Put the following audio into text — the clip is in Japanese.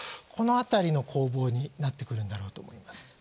この辺りの攻防になってくるんだろうと思います。